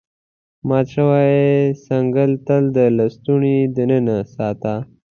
مات شوی څنګل تل د لستوڼي دننه ساته.